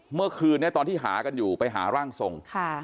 เมื่อคืนนี้ตอนที่หากันอยู่ไปหาร่างทรง